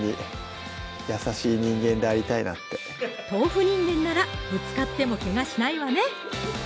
豆腐人間ならぶつかってもけがしないわね！